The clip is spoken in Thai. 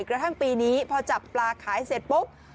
กระทั่งปีนี้พอจับปลาขายเสร็จปุ๊บ